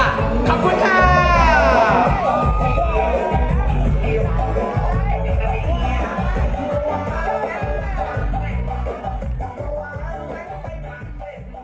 โปรดติดตามตอนต่อไป